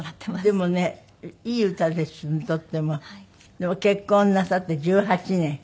でも結婚なさって１８年。